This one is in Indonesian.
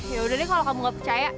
yaudah deh kalau kamu gak percaya